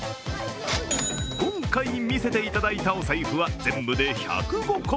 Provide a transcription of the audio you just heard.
今回見せていただいたお財布は、全部で１０５個。